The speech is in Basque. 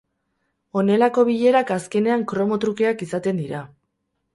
Honelako bilerak azkenean kromo trukeak izaten dira.